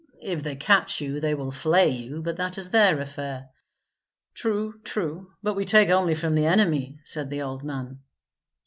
If they catch you they will flay you; but that is their affair." "True, true; but we take only from the enemy," said the old man.